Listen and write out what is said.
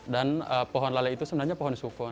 dan pohon lale itu sebenarnya pohon sukun